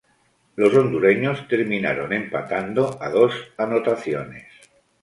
Los hondureños terminaron empatando a dos anotaciones.